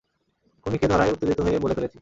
খুনিকে ধরায় উত্তেজিত হয়ে বলে ফেলেছি।